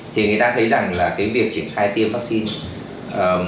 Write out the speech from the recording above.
thì người ta thấy rằng là cái việc triển khai tiêm vaccine